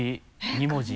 ２文字？